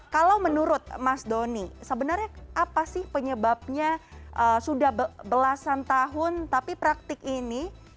kalau menurut mas doni sebenarnya apa sih penyebabnya sudah belasan tahun tapi praktik ini